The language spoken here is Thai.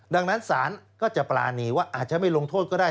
ดังนั้นศาลก็จะปรานีว่าอาจจะไม่ลงโทษก็ได้